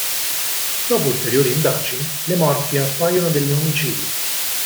Dopo ulteriori indagini le morti appaiono degli omicidi.